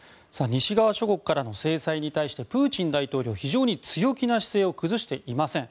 西側諸国からの制裁に対してプーチン大統領非常に強気な姿勢を崩していません。